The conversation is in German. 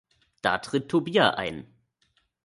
Da tritt Tobia ein.